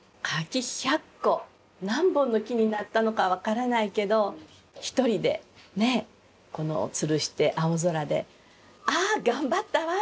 柿百個何本の木になったのかは分からないけどひとりで吊して青空で「ああ頑張ったわ。